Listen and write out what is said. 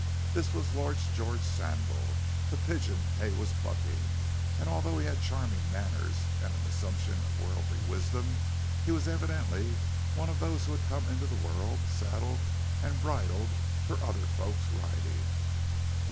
This was Lord George Sandal, the pigeon Hay was plucking, and although he had charming manners and an assumption of worldly wisdom, he was evidently one of those who had come into the world saddled and bridled for other folk's riding.